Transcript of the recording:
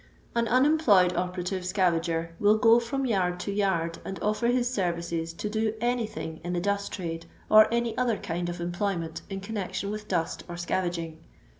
An unemployed operative scavager wiU go from yard to yard and offer his services to do anything in the dust trade or any other kind of employment in connection with dust or scavaging.